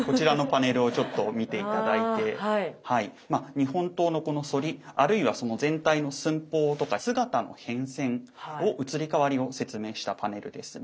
日本刀のこの反りあるいはその全体の寸法とか姿の変遷を移り変わりを説明したパネルですね。